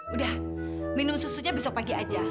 udah minum susunya besok pagi aja